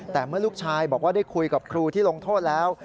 แต่เมื่อลูกชายบอกว่าได้คุยกับครูที่ลงโทษแล้ว